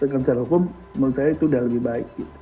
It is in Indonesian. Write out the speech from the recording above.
menurut saya itu sudah lebih baik